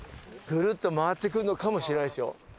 ぐるっと回ってくるのかもしれないですよ。